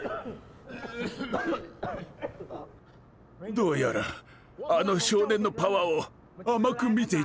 どうやらあの少年のパワーをあまく見ていたようだ。